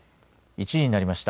１時になりました。